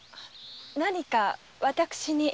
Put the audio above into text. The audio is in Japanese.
何か私に？